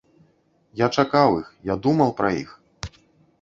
Я чакаў іх, я думаў пра іх!